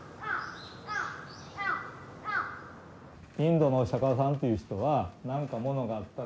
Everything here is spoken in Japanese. インドのお釈迦さんという人は何かものがあったら。